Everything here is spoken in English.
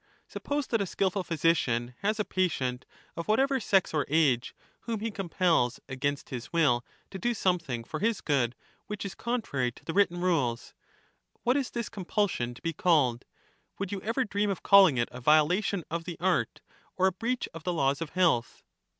Suppose that a skilful physician has a patient, of A phy whatever sex or age, whom he compels against his will to ^^^ijl^ed do something for his good which is contrary to the written for curing rules ; what is this compulsion to be called ? Would you *^^"^^ ever dream of calling it a violation of the art, or a breach wm ; of the laws of health